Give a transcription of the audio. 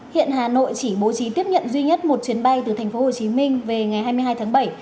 hiện hà nội chỉ bố trí tiếp nhận duy nhất một chuyến bay từ tp hcm về ngày hai mươi hai tháng bảy